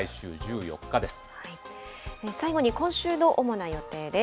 最後に今週の主な予定です。